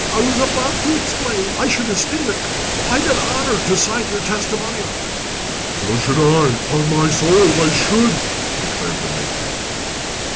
I was about to explain that I should esteem it quite an honour to sign your testimonial." "So should I upon my soul, I should!" declared the Major.